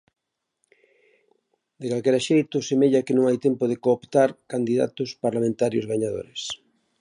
De calquera xeito, semella que non hai tempo de cooptar candidatos parlamentarios gañadores.